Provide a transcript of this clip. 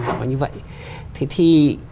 nó như vậy thế thì